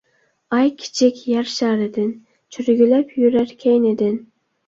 ئاي كىچىك يەر شارىدىن، چۆرگۈلەپ يۈرەر كەينىدىن.